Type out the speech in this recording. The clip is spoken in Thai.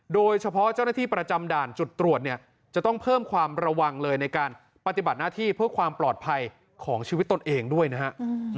โดยเฉพาะเจ้าหน้าที่ประจำด่านจุดตรวจเนี่ยจะต้องเพิ่มความระวังเลยในการปฏิบัติหน้าที่เพื่อความปลอดภัยของชีวิตตนเองด้วยนะฮะ